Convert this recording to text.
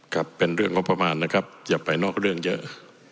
ครับเป็นเรื่องงบประมาณนะครับอย่าไปนอกเรื่องเยอะ